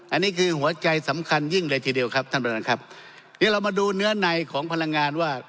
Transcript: อันนี้คือหัวใจสำคัญยิ่งเลยทีเดียวครับท่านประธานครับนี่เรามาดูเนื้อในของพลังงานว่า